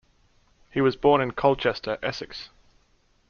He was born in Colchester, Essex.